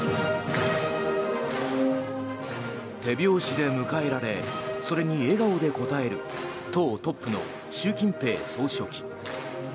手拍子で迎えられそれに笑顔で応える党トップの習近平総書記。